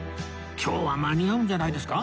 今日は間に合うんじゃないですか？